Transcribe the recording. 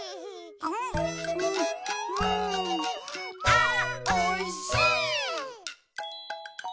あおいしい！